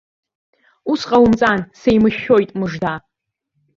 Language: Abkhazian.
Ус ҟаумҵан, сеимшәшәоит, мыжда!